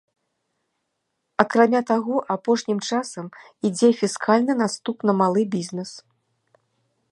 Акрамя таго, апошнім часам ідзе фіскальны наступ на малы бізнес.